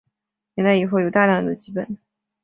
明代以后有大量的辑本。